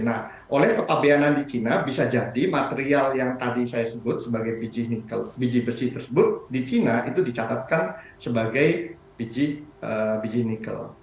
nah oleh kepabianan di cina bisa jadi material yang tadi saya sebut sebagai biji besi tersebut di china itu dicatatkan sebagai biji nikel